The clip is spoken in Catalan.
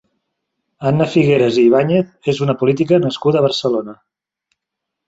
Anna Figueras i Ibáñez és una política nascuda a Barcelona.